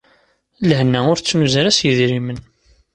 Lehna ur tettnuz ara s yidrimen.